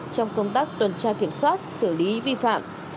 trong công tác tuần tra kiểm soát xử lý vi phạm